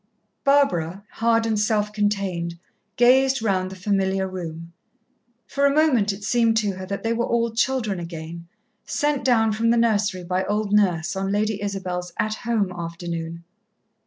Barbara, hard and self contained, gazed round the familiar room. For a moment it seemed to her that they were all children again, sent down from the nursery by old Nurse, on Lady Isabel's "At Home" afternoon.